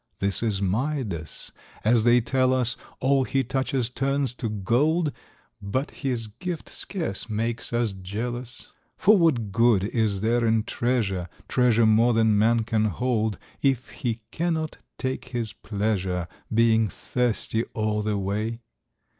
This is Midas : as they tell us, All he touches turns to gold, But his gift scarce makes us jealous ; For what good is there in treasure. Treasure more than man can hold. If he cannot take his pleasure, Being thirsty all the way